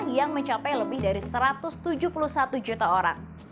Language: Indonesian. yang mencapai lebih dari satu ratus tujuh puluh satu juta orang